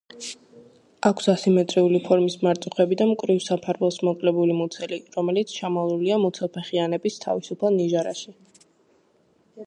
აქვს ასიმეტრიული ფორმის მარწუხები და მკვრივ საფარველს მოკლებული მუცელი, რომელიც ჩამალულია მუცელფეხიანების თავისუფალ ნიჟარაში.